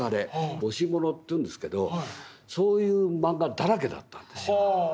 「母子もの」っていうんですけどそういうマンガだらけだったんですよ。は。